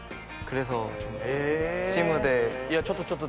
いやちょっとちょっと。